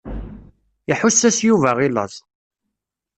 Iḥuss-as Yuba i laẓ.